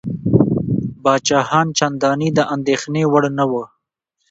پاچاهان چنداني د اندېښنې وړ نه وه.